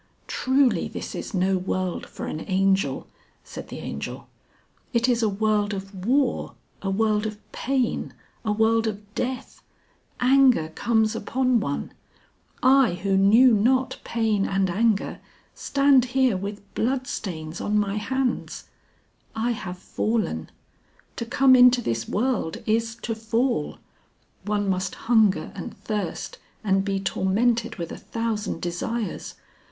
"Truly, this is no world for an Angel!" said the Angel. "It is a World of War, a World of Pain, a World of Death. Anger comes upon one ... I who knew not pain and anger, stand here with blood stains on my hands. I have fallen. To come into this world is to fall. One must hunger and thirst and be tormented with a thousand desires.